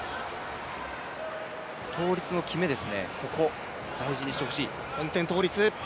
倒立のキメですね、ここ大事にしてほしい。